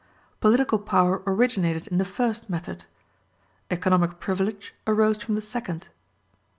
Political power originated in the first method; economic privilege arose from the second.